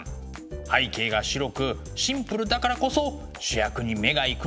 背景が白くシンプルだからこそ主役に目が行くのかもしれません。